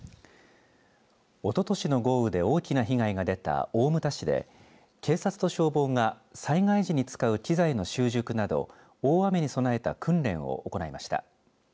おととしの豪雨で大きな被害が出た大牟田市で警察と消防が災害時に使う機材の習熟など大雨に備えた訓練を行いました。